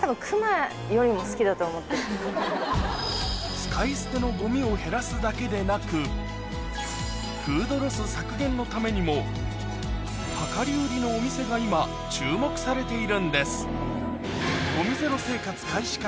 使い捨てのゴミを減らすだけでなくフードロス削減のためにも量り売りのお店が今注目されているんです